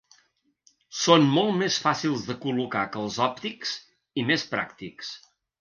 Són molt més fàcils de col·locar que els òptics, i més pràctics.